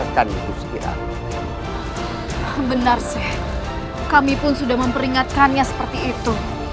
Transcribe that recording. kami sudah memperingatkannya seperti itu